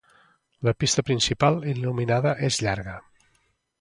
La pista principal il·luminada és llarga.